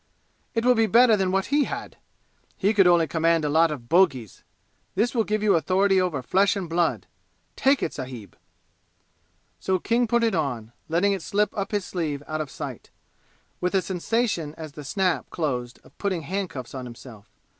It will be better than what he had! He could only command a lot of bogies. This will give you authority over flesh and blood! Take it, sahib!" So King put it on, letting it slip up his sleeve, out of sight, with a sensation as the snap closed of putting handcuffs on himself.